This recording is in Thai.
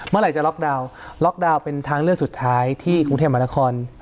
เมื่อไหร่จะล็อกดาวน์ล็อกดาวน์เป็นทางเลือกสุดท้ายที่กรุงเทพมหานคร